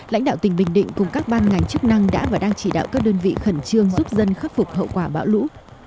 lãnh đạo tỉnh bình định cùng các ban ngành chức năng đã và đang chỉ đạo các đơn vị khẩn trương giúp dân khắc phục hậu quả bão lũ